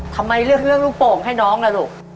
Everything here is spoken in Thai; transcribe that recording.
ทำไมเลือกเรื่องลูกโป่งให้น้องล่ะลูก